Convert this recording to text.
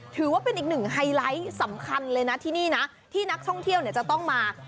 ถือว่าเป็นอีกหนึ่งไฮไลท์สำคัญเลยนะที่นี่นะที่นักท่องเที่ยวจะต้องมา